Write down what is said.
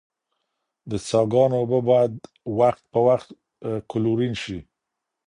د څاه ګانو اوبه باید وخت په وخت کلورین شي.